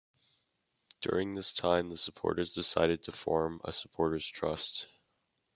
During this time, the supporters decided to form a supporters trust.